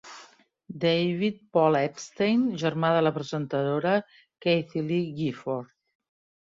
David Paul Epstein, germà de la presentadora Kathie Lee Gifford.